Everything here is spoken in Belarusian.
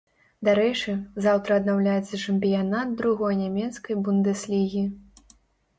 Дарэчы, заўтра аднаўляецца чэмпіянат другой нямецкай бундэслігі.